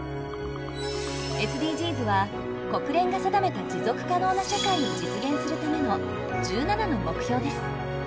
ＳＤＧｓは国連が定めた持続可能な社会を実現するための１７の目標です。